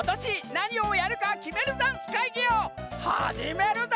なにをやるかきめるざんすかいぎ」をはじめるざんす！